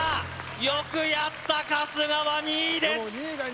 よくやった春日は２位ですでも２位だ